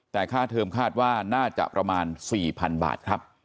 แต่ค่าเทิมคาดว่าน่าจะประมาณ๔๐๐๐บาทครับ